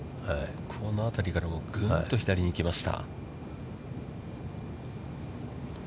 この辺りからぐんと左に行きました。